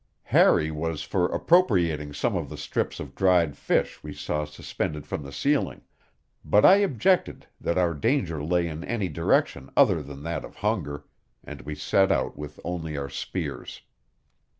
Harry was for appropriating some of the strips of dried fish we saw suspended from the ceiling, but I objected that our danger lay in any direction other than that of hunger, and we set out with only our spears.